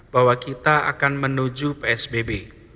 bahwa kita akan menuju psbb